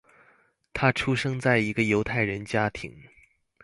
他出生在一个犹太人家庭。